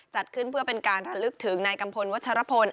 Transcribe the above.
จัดขึ้นเพื่อเป็นการระลึกถึงนายกัมพลวัชรพล